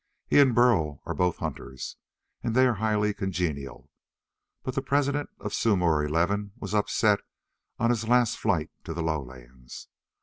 He and Burl are both hunters, and they are highly congenial. But the President of Sumor XI was upset on his last flight to the lowlands.